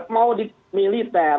mau di militer